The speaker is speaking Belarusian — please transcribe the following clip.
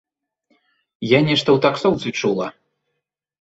Я нешта ў таксоўцы чула.